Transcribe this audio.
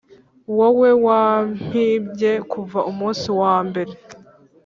wowe, wampimbye kuva umunsi wambere